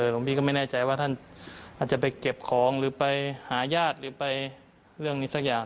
หลวงพี่ก็ไม่แน่ใจว่าท่านอาจจะไปเก็บของหรือไปหาญาติหรือไปเรื่องนี้สักอย่าง